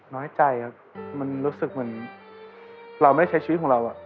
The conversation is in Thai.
น้อยใจครับมันรู้สึกเหมือนเราไม่ใช้ชีวิตของเรา